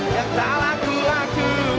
yang salah kulaku